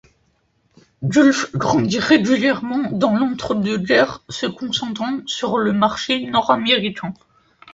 Gulf grandit régulièrement dans l'entre-deux-guerres se concentrant sur le marché nord-américain.